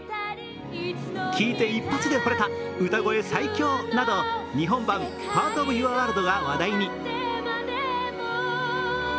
聴いて一発でほれた、歌声最強など日本版「パート・オブ・ユア・ワールド」が話題に。